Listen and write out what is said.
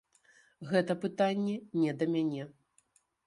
Гэта пытанне не да мяне.